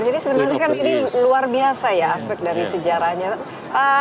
jadi sebenarnya ini kan luar biasa ya aspek dari sejarahnya